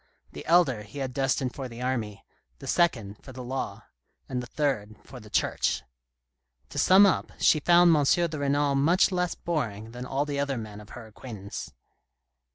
The elder he had destined for the army, the second for the law, and the third for the Church. To sum up, she found M. de Renal much less boring than all the other men of her acquaintance.